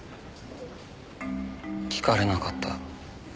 聞かれなかった。